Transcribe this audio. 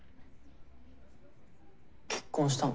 結婚したの？